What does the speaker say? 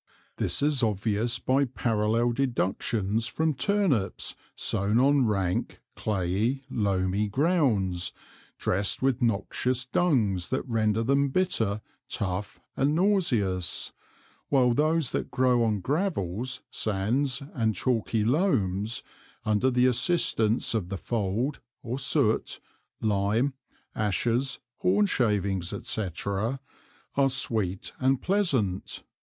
This is obvious by parallel Deductions from Turneps sown on rank clayey loamy Grounds, dressed with noxious Dungs that render them bitter, tuff, and nauseous, while those that grow on Gravels, Sands and Chalky Loams under the assistance of the Fold, or Soot, Lime, Ashes, Hornshavings, &c. are sweet (unreadable) and pleasant.